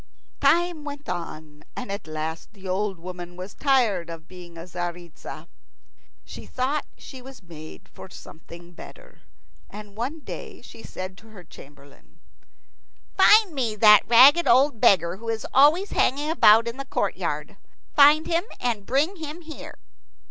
Time went on, and at last the old woman was tired of being Tzaritza. She thought she was made for something better. And one day she said to her chamberlain, "Find me that ragged old beggar who is always hanging about in the courtyard. Find him, and bring him here."